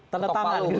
tanda tangan gitu